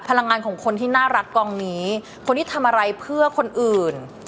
พลังงานของคนที่น่ารักกองนี้คนที่ทำอะไรเพื่อคนอื่น